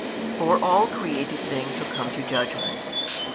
For all created things shall come to judgment.